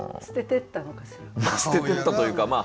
捨ててったというか。